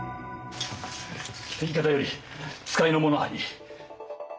敵方より使いの者あり。